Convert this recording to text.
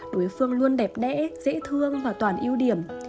đối phương luôn đẹp đẽ dễ thương và toàn ưu điểm